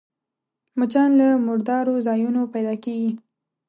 مچان له مردارو ځایونو پيدا کېږي